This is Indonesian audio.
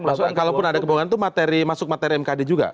maksudnya kalau pun ada kebohongan itu materi masuk materi mkad juga